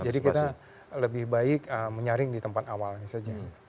jadi kita lebih baik menyaring di tempat awalnya saja